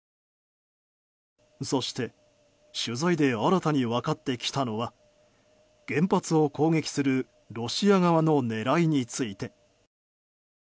そして取材で新たに分かってきたのは原発を攻撃するロシア側の狙いについて。